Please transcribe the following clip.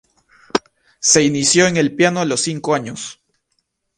Se inició en el piano a los cinco años.